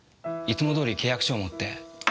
いつもどおり契約書を持って。